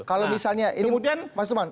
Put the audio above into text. kalau misalnya ini mas luman